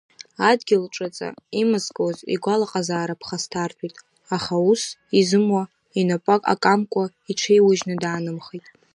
Адгьыл ҿаҵа имазкуаз игәалаҟазаара ԥхасҭартәит, аха аус изымуа, инапы ак амкуа иҽеиужьны даанымхеит.